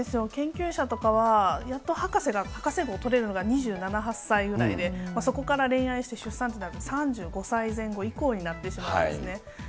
研究者とかはやっと博士号取れるのが２７、８歳ぐらいで、そこから恋愛して出産となると３５歳前後以降になってしまうんですね。